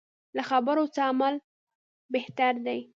له خبرو څه عمل بهتر دی.